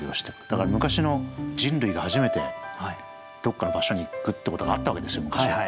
だから昔の人類が初めてどっかの場所に行くってことがあったわけですよ昔は。